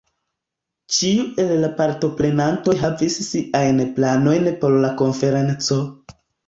Ĉiu el la partoprenantoj havis siajn planojn por la konferenco.